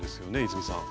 泉さん。